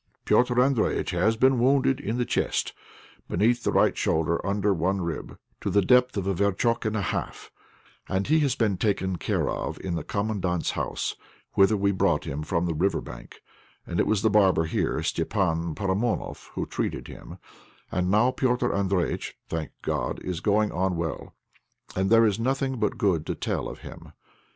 Petr' Andréjïtch has been wounded in the chest, beneath the right shoulder, under one rib, to the depth of a verchok and a half, and he has been taken care of in the Commandant's house, whither we brought him from the river bank, and it was the barber here, Stépan Paramonoff, who treated him; and now Petr' Andréjïtch, thank God, is going on well, and there is nothing but good to tell of him.